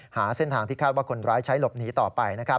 หาเส้นทางที่คาดว่าคนร้ายใช้หลบหนีต่อไป